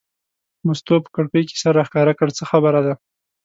مستو په کړکۍ کې سر راښکاره کړ: څه خبره ده.